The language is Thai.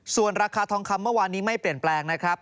ส่วนราคาทองคำเมื่อวานนี้ไม่เปลี่ยนแปลงนะครับ